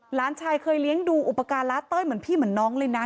หลานชายเคยเลี้ยงดูอุปการณ์เต้ยเหมือนพี่เหมือนน้องเลยนะ